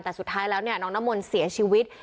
แต่สุดท้ายแล้วเนี่ยน้องน้ำมนต์เสียชีวิต